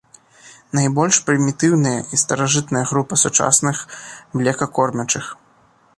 Найбольш прымітыўная і старажытная група сучасных млекакормячых.